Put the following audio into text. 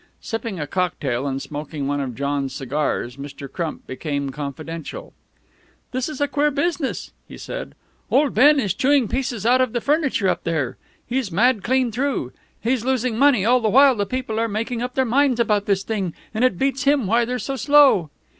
Sipping a cocktail and smoking one of John's cigars, Mr. Crump became confidential. "This is a queer business," he said. "Old Ben is chewing pieces out of the furniture up there. He's mad clean through. He's losing money all the while the people are making up their minds about this thing, and it beats him why they're so slow."